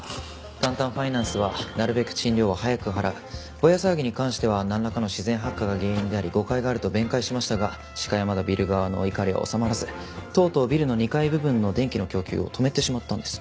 タンタンファイナンスは「なるべく賃料は早く払う」「ボヤ騒ぎに関してはなんらかの自然発火が原因であり誤解がある」と弁解しましたが鹿山田ビル側の怒りは収まらずとうとうビルの２階部分の電気の供給を止めてしまったんです。